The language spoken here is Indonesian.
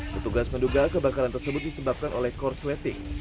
petugas menduga kebakaran tersebut disebabkan oleh core sweating